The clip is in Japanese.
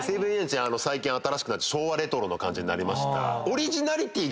最近新しくなって昭和レトロの感じになりました。